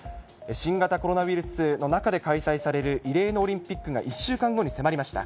新型コロナウイルスの中で開催される、異例のオリンピックが１週間後に迫りました。